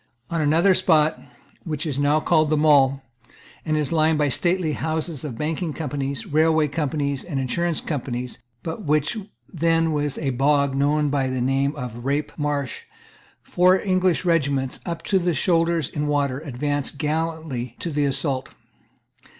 On another spot, which is now called the Mall, and is lined by the stately houses of banking companies, railway companies, and insurance companies, but which was then a bog known by the name of the Rape Marsh, four English regiments, up to the shoulders in water, advanced gallantly to the assault.